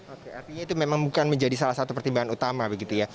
oke artinya itu memang bukan menjadi salah satu pertimbangan utama begitu ya